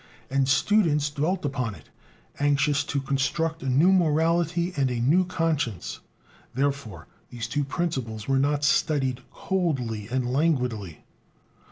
And students dwelt upon it, anxious to construct a new morality and a new conscience; therefore these two principles were not studied coldly and languidly.